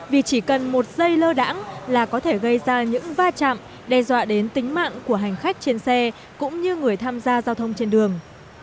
vì chỉ cần một giây lơ đãng là có thể gây ra những va chạm đe dọa đến tính mạng của hành khách trên xe cũng như người tham gia giao thông trên đường